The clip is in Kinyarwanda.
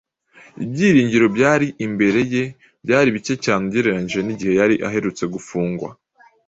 Ibyiringiro byari imbere ye byari bike cyane ugereranyije n’igihe yari aherutse gufungwa